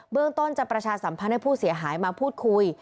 เรื่องต้นจะประชาสัมพันธ์ให้ผู้เสียหายมาพูดคุย